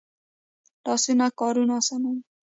لاسونه کارونه آسانوي